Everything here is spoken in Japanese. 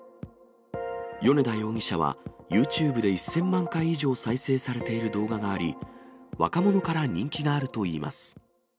米田容疑者はユーチューブで１０００万回以上再生されている動画があり、若者から人気があるといいます。